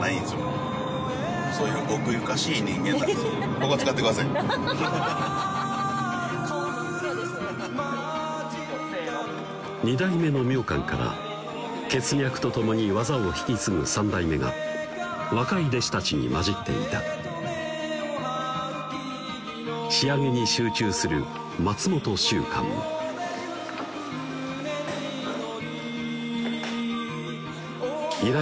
ここ使ってください２代目の明観から血脈とともに技を引き継ぐ３代目が若い弟子たちに交じっていた仕上げに集中する松本宗観依頼